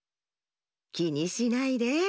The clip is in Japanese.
きにしないで。